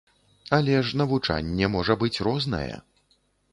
Але ж навучанне можа быць рознае.